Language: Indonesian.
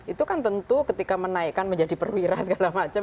itu kan tentu ketika menaikkan menjadi perwira segala macam